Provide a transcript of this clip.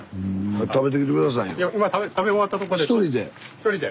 １人で？